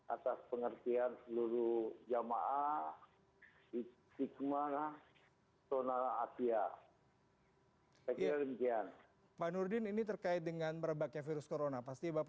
atas pengertian seluruh jamaah istigma zona asia